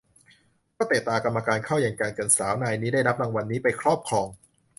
ก็เตะตากรรมการเข้าอย่างจังจนสาวนายได้รับรางวัลนี้ไปครอบครอง